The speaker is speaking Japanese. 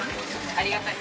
ありがたい。